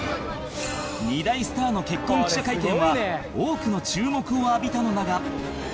２大スターの結婚記者会見は多くの注目を浴びたのだが